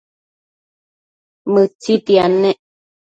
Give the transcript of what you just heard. Mëtsitiad nec